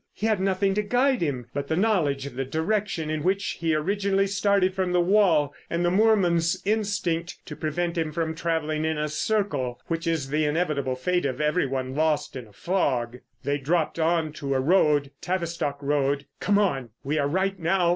He had nothing to guide him but the knowledge of the direction in which he originally started from the wall and the moorman's instinct to prevent him from travelling in a circle, which is the inevitable fate of every one lost in a fog. They dropped on to a road, Tavistock Road. "Come on, we are right now!"